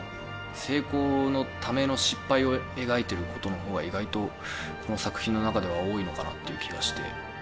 成功のための失敗を描いていることの方が意外とこの作品の中では多いのかなっていう気がして。